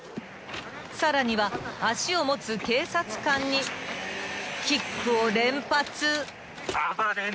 ［さらには足を持つ警察官にキックを連発］